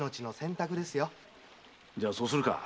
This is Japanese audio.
じゃあそうするか！